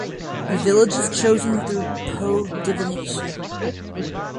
The village is chosen through poe divination.